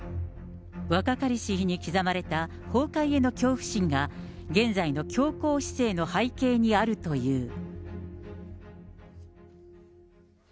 若かりし日に刻まれた崩壊への恐怖心が、現在の強硬姿勢の背景にあるという。